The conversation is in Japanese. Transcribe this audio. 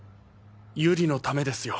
ゆりのためですよ。